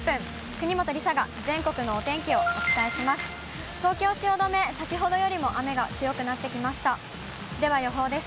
国本梨紗が全国のお天気をお伝えします。